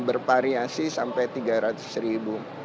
bervariasi sampai rp tiga ratus